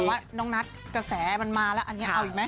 แต่ว่าน้องนัทกระแสมันมาแล้วอันนี้เอาอีกไหม